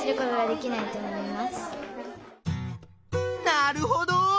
なるほど！